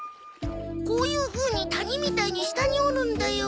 こういうふうに谷みたいに下に折るんだよ。